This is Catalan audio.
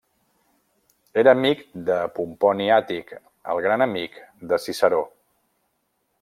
Era amic de Pomponi Àtic, el gran amic de Ciceró.